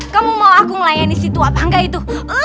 kamu mau aku ngelayan di situ apa enggak itu